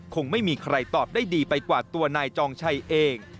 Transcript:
คงไม่มีใครตอบได้ดีไปกว่าตัวนายจองชัยเอง